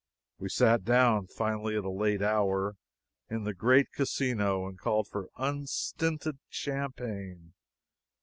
We sat down, finally, at a late hour, in the great Casino, and called for unstinted champagne.